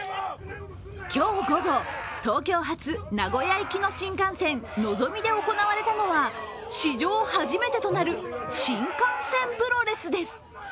今日午後、東京発名古屋行きの新幹線のぞみで行われたのは史上初めてとなる新幹線プロレスです。